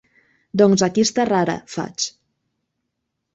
Doncs aquí està rara —faig—.